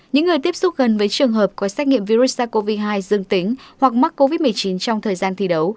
những người tiếp xúc gần với trường hợp có xét nghiệm virus sars cov hai dương tính hoặc mắc covid một mươi chín trong thời gian thi đấu